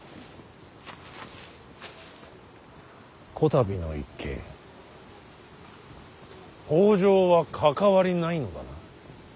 こたびの一件北条は関わりないのだな。